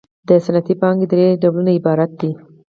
د صنعتي پانګې درې ډولونه عبارت دي